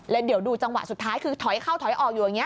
แล้วเดี๋ยวดูจังหวะสุดท้ายคือถอยเข้าถอยออกอยู่อย่างนี้